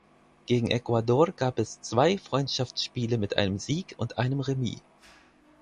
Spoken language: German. Gegen Ecuador gab es zwei Freundschaftsspiele mit einem Sieg und einem Remis.